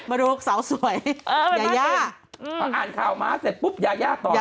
พออ่านข่าวม้าเสร็จปุ๊บยาต่อเลย